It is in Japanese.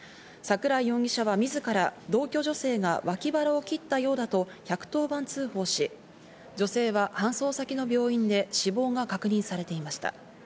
桜井容疑者は自ら、同居女性が脇腹を切ったようだと１１０番通報し、女性は搬送先の病院で死亡が確認されていました。